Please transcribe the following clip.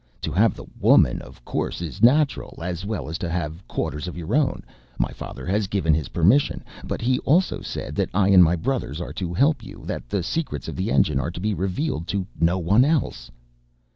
"To have the woman of course is natural, as well as to have quarters of your own, my father has given his permission. But he also said that I and my brothers are to help you, that the secrets of the engine are to be revealed to no one else."